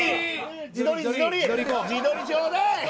自撮りちょうだい！